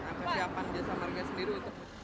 kesiapan jasa marga sendiri itu